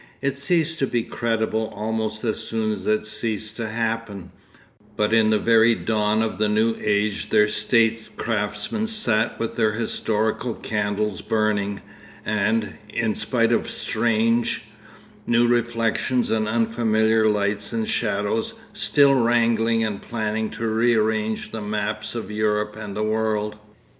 It ceased to be credible almost as soon as it ceased to happen, but in the very dawn of the new age their state craftsmen sat with their historical candles burning, and, in spite of strange, new reflections and unfamiliar lights and shadows, still wrangling and planning to rearrange the maps of Europe and the world.